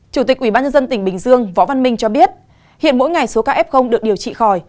chủ tịch ubnd tỉnh bình dương võ văn minh cho biết hiện mỗi ngày số ca f được điều trị khỏi